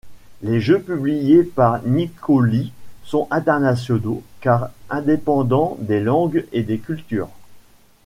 Les jeux publiés par Nikoli sont internationaux, car indépendants des langues et des cultures.